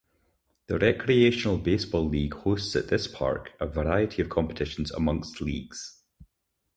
The Recreational Baseball League hosts at this park a variety of competitions amongst leagues.